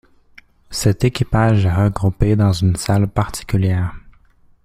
Cet équipage est regroupé dans une salle particulière.